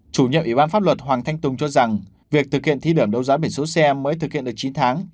chủ nhiệm ủy ban pháp luật hoàng thanh tùng cho rằng việc thực hiện thí điểm đấu giá biển số xe mới thực hiện được chín tháng